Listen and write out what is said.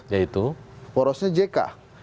yaitu porosnya jk